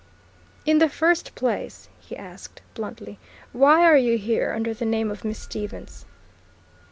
"In the first place," he asked bluntly, "why are you here under the name of Miss Stevens?"